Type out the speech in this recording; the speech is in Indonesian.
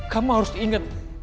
kamu harus ingat